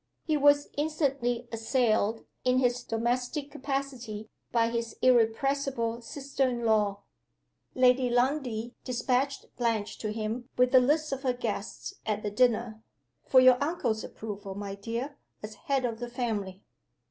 He was instantly assailed, in his domestic capacity, by his irrepressible sister in law. Lady Lundie dispatched Blanche to him with the list of her guests at the dinner. "For your uncle's approval, my dear, as head of the family."